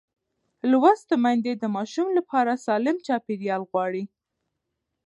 لوستې میندې د ماشوم لپاره سالم چاپېریال غواړي.